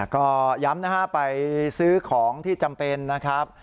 ก็ย้ำนะฮะไปซื้อของที่จำเป็นนะครับ